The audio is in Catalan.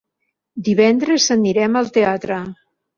Divendres anirem al teatre.